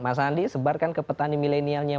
mas andi sebarkan ke petani milenialnya